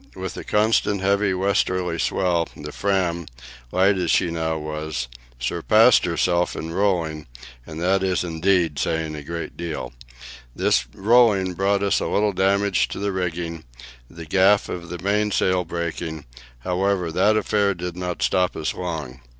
With the constant heavy westerly swell, the Fram, light as she now was, surpassed herself in rolling, and that is indeed saying a great deal. This rolling brought us a little damage to the rigging, the gaff of the mainsail breaking; however, that affair did not stop us long.